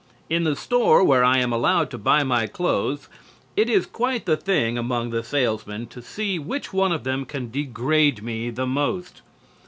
In the store where I am allowed to buy my clothes it is quite the thing among the salesmen to see which one of them can degrade me most.